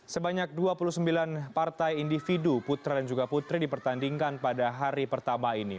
sebanyak dua puluh sembilan partai individu putra dan juga putri dipertandingkan pada hari pertama ini